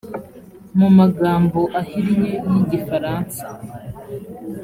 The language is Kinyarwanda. mu magambo ahinnye y igifaransa